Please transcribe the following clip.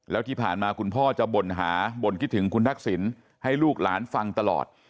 แล้วที่ผ่านมาคุณพ่อจะบ่นหาบ่นคิดถึงคุณทักษิณให้ลูกหลานฟังตลอด